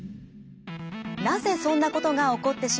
なぜそんなことが起こってしまうんでしょうか。